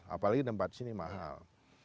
apalagi tempat sini mahal